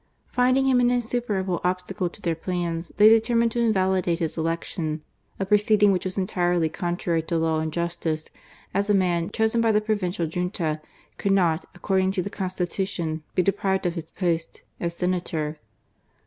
Finding him an insuperable obstacle to their plans, they deter mined to invalidate his election ; a proceeding which was entirely contrary to law and justice, as a man chosen by the provincial Junta could not, according to the Constitution, be deprived of his post as Senator.